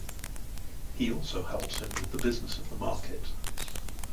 He also helps him with the business of the market.